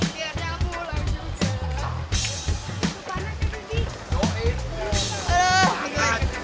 biar dia pulang